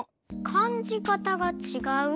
かんじかたがちがう？